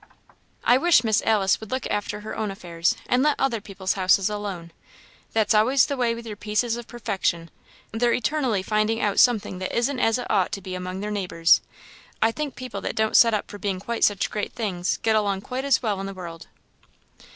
"I wish Miss Alice would look after her own affairs, and let other people's houses alone. That's always the way with your pieces of perfection they're eternally finding out something that isn't as it ought to be among their neighbours. I think people that don't set up for being quite such great things, get along quite as well in the world."